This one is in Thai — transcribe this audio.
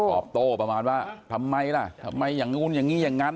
ตอบโต้ประมาณว่าทำไมล่ะทำไมอย่างนู้นอย่างนี้อย่างนั้น